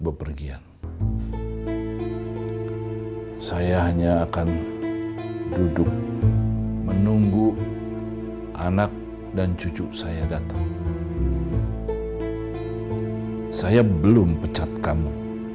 bepergian saya hanya akan duduk menunggu anak dan cucu saya datang saya belum pecat kamu